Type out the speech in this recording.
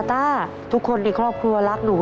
ต้าทุกคนในครอบครัวรักหนู